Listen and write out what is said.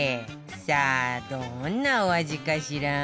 さあどんなお味かしら？